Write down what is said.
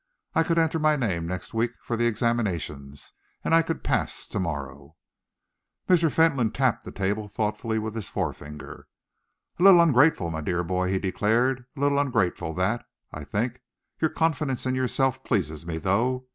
I could enter my name next week for the examinations, and I could pass to morrow." Mr. Fentolin tapped the table thoughtfully with his forefinger. "A little ungrateful, my dear boy," he declared, "a little ungrateful that, I think. Your confidence in yourself pleases me, though.